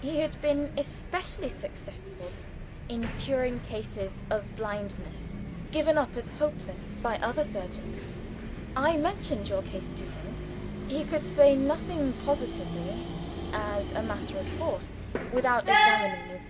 He had been especially successful in curing cases of blindness given up as hopeless by other surgeons. I mentioned your case to him. He could say nothing positively (as a matter of course) without examining you.